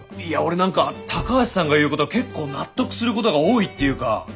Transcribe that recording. いや俺何か高橋さんが言うこと結構納得することが多いっていうか。